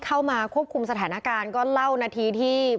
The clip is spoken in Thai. เข้ามาควบคุมสถานการณ์ก็เล่านาทีที่